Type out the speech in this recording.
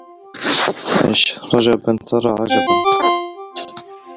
عش رجبا ترى عجبا